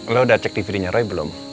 lo udah cek tv nya roy belum